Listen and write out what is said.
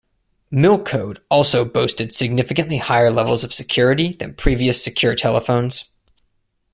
Milcode also boasted significantly higher levels of security than previous secure telephones.